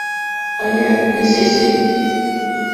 係嘅，你試試